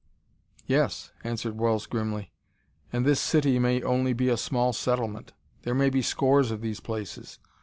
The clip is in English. "Yes," answered Wells grimly, "and this 'city' may only be a small settlement; there may be scores of these places.